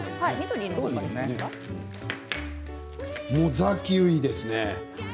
ザ・キウイですね。